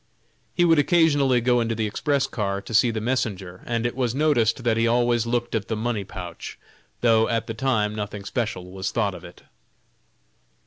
He would occasionally go into the express car to see the messenger, and it was noticed that he always looked at the money pouch, though at the time nothing special was thought of it.